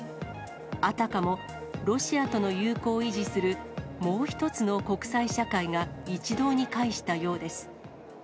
あたかも、ロシアとの友好を維持するもう一つの国際社会が一堂に会したようです。